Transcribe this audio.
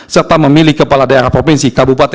serta memilih kepala daerah provinsi kabupaten